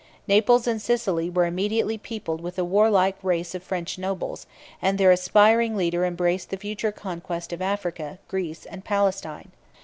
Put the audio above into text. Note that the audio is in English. Naples and Sicily were immediately peopled with a warlike race of French nobles; and their aspiring leader embraced the future conquest of Africa, Greece, and Palestine.